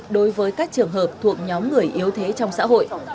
đối với các trường hợp thuộc nhóm người yếu thế trong xã hội